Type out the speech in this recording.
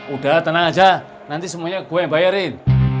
udah tenang aja nanti semuanya gue yang bayarin